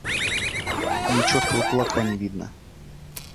Ни чертова кулака не видно.